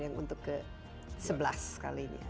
yang untuk ke sebelas kali ini ya